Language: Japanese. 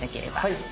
はい。